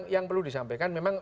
yang perlu disampaikan memang